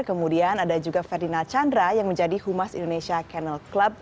kemudian ada juga ferdinand chandra yang menjadi humas indonesia cannel club